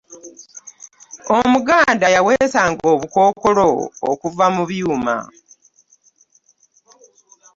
omuganda yawesanga obukokolo okuva mu byuuma